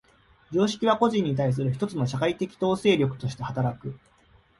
常識は個人に対する一つの社会的統制力として働く。